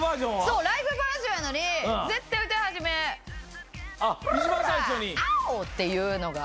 ライブバージョンやのに絶対歌い始め「プルルルァ！アオッ！」っていうのが。